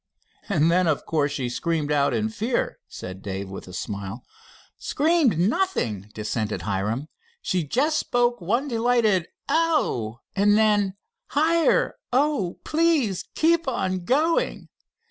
"And then, of course, she screamed out in fear?" said Dave, with a smile. "Screamed nothing," dissented Hiram. "She just spoke one delighted 'O oh!' and then: 'Higher, oh, please keep on going!'